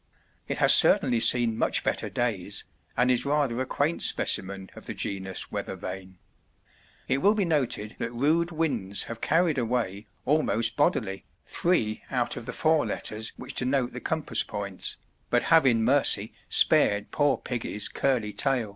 It has certainly seen much better days, and is rather a quaint specimen of the genus weather vane. It will be noted that rude winds have carried away, almost bodily, three out of the four letters which denote the compass points, but have in mercy spared poor piggy's curly tail.